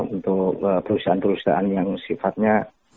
untuk perusahaan perusahaan yang sifatnya